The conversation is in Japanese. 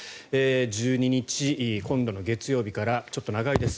１２日、今度の月曜日からちょっと長いです。